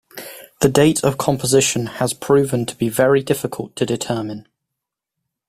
The date of composition has proven to be very difficult to determine.